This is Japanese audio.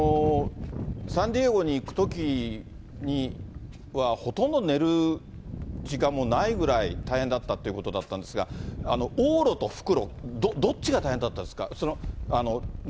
サンディエゴに行くときには、ほとんど寝る時間もないぐらい大変だったということなんですが、往路と復路、どっちが大変だったですか？